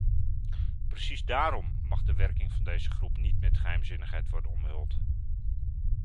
Precies daarom mag de werking van deze groep niet met geheimzinnigheid worden omhuld.